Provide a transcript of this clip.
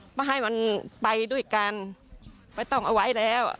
ก็ให้มันไปด้วยกันไม่ต้องเอาไว้แล้ว